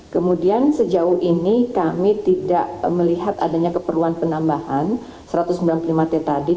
kemudian sejauh ini kami tidak melihat adanya keperluan penambahan satu ratus sembilan puluh lima t tadi